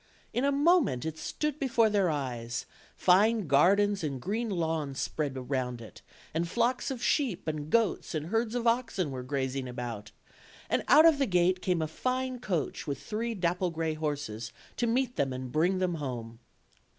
In a moment it stood before their eyes; fine gar dens and green lawns spread round it, and flocks of sheep and goats and herds of oxen were grazing about; and out of the gate came a fine coach with three aapple gray horses to meet them and bring them home.